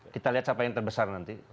kita lihat siapa yang terbesar nanti